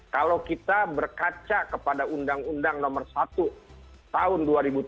kalau kita berkaca kepada undang undang nomor satu tahun dua ribu tujuh belas